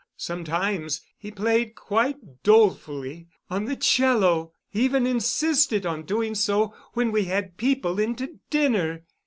Sometimes he played quite dolefully on the 'cello—even insisted on doing so when we had people in to dinner.